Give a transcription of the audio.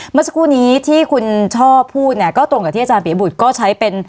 เมื่อสักครู่นี้ที่คุณช่อพูดเนี่ยก็ตรงกับที่อาจารย์ปียบุตรก็ใช้เป็น